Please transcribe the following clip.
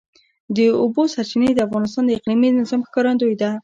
د اوبو سرچینې د افغانستان د اقلیمي نظام ښکارندوی ده.